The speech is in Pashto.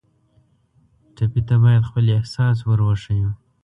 ټپي ته باید خپل احساس ور وښیو.